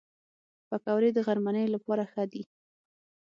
پکورې د غرمنۍ لپاره ښه دي